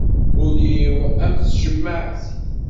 Ul-iw am tcemmaɛt.